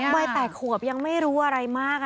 วัยแปดขวบยังไม่รู้อะไรมากอ่ะนะคะ